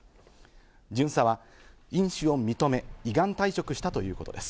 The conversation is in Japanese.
巡査は飲酒を認め、依願退職したということです。